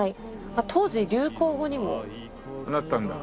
当時流行語にも。なったんだ。